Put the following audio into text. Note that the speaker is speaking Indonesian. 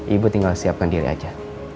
ibu tinggal siapkan diri aja